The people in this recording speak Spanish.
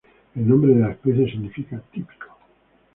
El nombre de la especie significa típico.